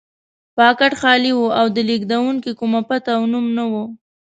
پاکټ خالي و او د لېږونکي کومه پته او نوم نه و.